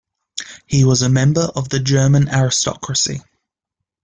He was a member of the German aristocracy.